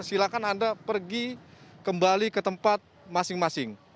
silahkan anda pergi kembali ke tempat masing masing